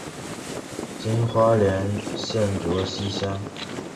今花莲县卓溪乡。